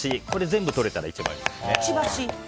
全部取れたら一番いいですね。